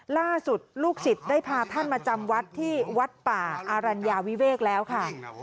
ลูกศิษย์ได้พาท่านมาจำวัดที่วัดป่าอารัญญาวิเวกแล้วค่ะ